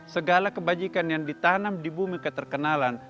segala kebajikan yang ditanam di bumi keterkenalan